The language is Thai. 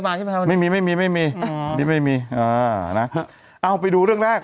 มาใช่ไหมครับไม่มีไม่มีไม่มีอ่านี่ไม่มีอ่าน่ะเอาไปดูเรื่องแรก